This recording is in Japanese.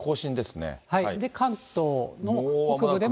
で、関東の北部でも。